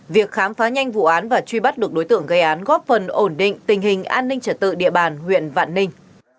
việc khám phá nhanh vụ án và truy bắt được đối tượng gây án góp phần ổn định tình hình an ninh trở tự địa bàn huyện vạn ninh